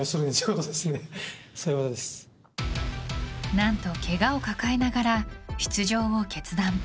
何と、けがを抱えながら出場を決断。